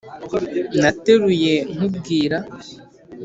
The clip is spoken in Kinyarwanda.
nateruye nkubwira